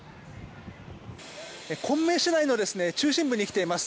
昆明市内の中心部に来ています。